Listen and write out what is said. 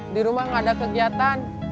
di rumah nggak ada kegiatan